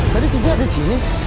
tadi cincinnya ada disini